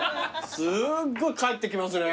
すごい返ってきますね。